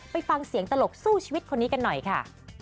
ไปฟังเสียงตลกสู้ชีวิตคนนี้กันหน่อยค่ะ